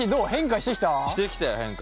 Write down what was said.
してきたよ変化。